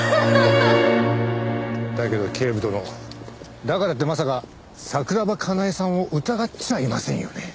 だけど警部殿だからってまさか桜庭かなえさんを疑っちゃいませんよね？